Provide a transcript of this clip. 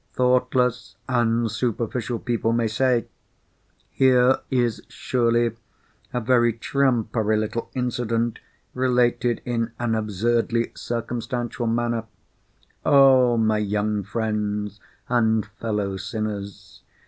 Thoughtless and superficial people may say, Here is surely a very trumpery little incident related in an absurdly circumstantial manner. Oh, my young friends and fellow sinners!